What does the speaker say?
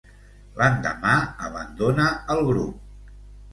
L'endemà, abandona el grup.